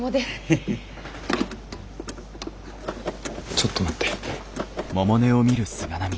ちょっと待って。